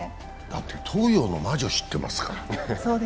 だって東洋の魔女知ってますから。